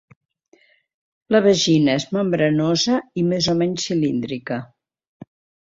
La vagina és membranosa i més o menys cilíndrica.